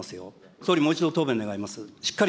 総理、もう一度答弁願います。